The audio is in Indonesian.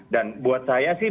dan buat saya sih